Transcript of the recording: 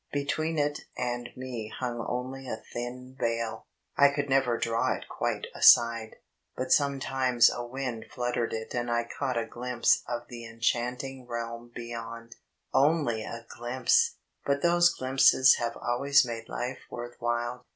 Between it and me hung only a thin veil. I could never draw it quite aside, but sometimes a wind fluttered it and I caught a gUmpse of the enchanting realm beyond only a glimpse but those glimpses have always made life worth while.